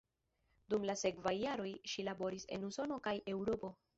Dum la sekvaj jaroj ŝi laboris en Usono kaj Eŭropo.